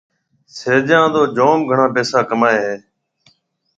سِيجان تو جوم گھڻا پيسا ڪمائي هيَ۔